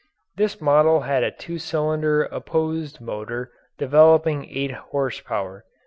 This model had a two cylinder opposed motor developing eight horsepower.